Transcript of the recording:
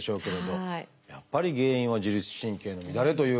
やっぱり原因は自律神経の乱れということになるんでしょうかね。